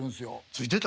付いてた？